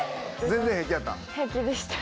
全然平気やった？